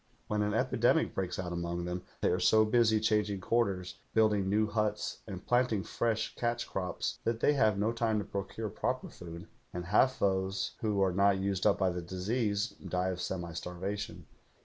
When an epidemic breaks out among them they are so busy changing quarters, building new huts, and planting fresh catch crops that they have no time to procure proper food, and half those who are not used up by the disease die of semi starvation.